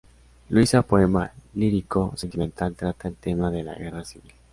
Luisa, poema lirico-sentimental trata el tema de la guerra civil.